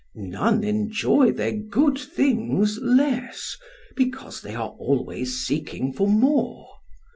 None enjoy their good things less, because they are always seeking for more.